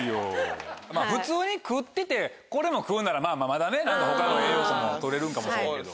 普通に食っててこれも食うならまだね他の栄養素も取れるんかもしれんけど。